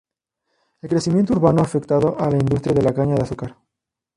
El crecimiento urbano afectado a la industria de la caña de azúcar.